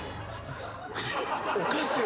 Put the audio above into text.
おかしい